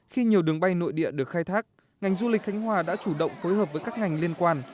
khi nhiều đường bay nội địa được khai thác ngành du lịch khánh hòa đã chủ động phối hợp với các ngành liên quan